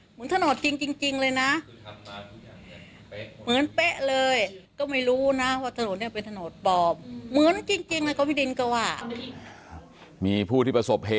เหมือนถนนจริงเลยนะ